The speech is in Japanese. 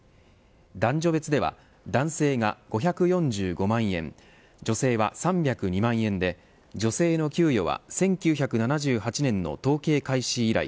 男女別では男性が５４５万円女性は３０２万円で女性の給与は１９７８年の統計開始以来